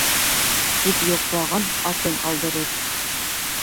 Күп йоҡлаған атын алдырыр.